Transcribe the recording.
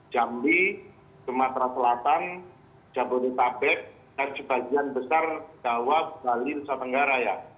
jambi sumatera selatan jabodetabek dan sebagian besar jawa bali nusa tenggara ya